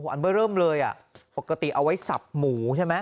อันเบอร์เริ่มเลยอ่ะปกติเอาไว้สับหมูใช่ไหม